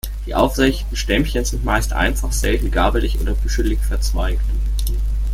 Die aufrechten Stämmchen sind meist einfach, selten gabelig oder büschelig verzweigt.